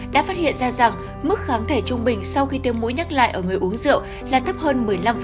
đã phát hiện ra rằng mức kháng thể trung bình sau khi tiêm mũi nhắc lại ở người uống rượu là thấp hơn một mươi năm